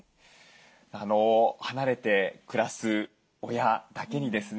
離れて暮らす親だけにですね